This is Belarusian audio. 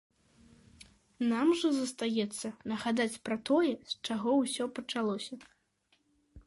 Нам жа застаецца нагадаць пра тое, з чаго ўсё пачалося.